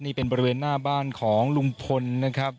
นี่เป็นบริเวณหน้าบ้านของลุงพลนะครับ